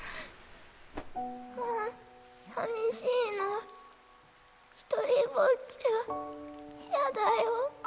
もうさみしいのは一人ぼっちは嫌だよ。